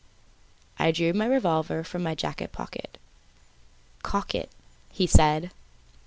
I drew my revolver from my jacket pocket. "Cock it!" he said.